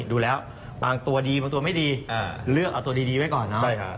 ดูแล้วบางตัวดีบางตัวไม่ดีเลือกเอาตัวดีไว้ก่อนเนาะ